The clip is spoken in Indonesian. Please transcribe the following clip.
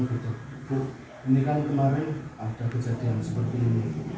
ibu ini kan kemarin ada kejadian seperti ini